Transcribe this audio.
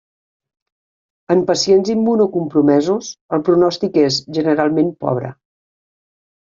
En pacients immunocompromesos, el pronòstic és generalment pobre.